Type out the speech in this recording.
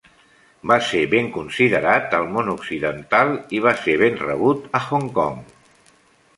Va ser ben considerat al món occidental i va ser ben rebut a Hong Kong.